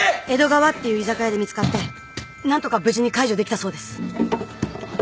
江戸川っていう居酒屋で見つかって何とか無事に解除できたそうです。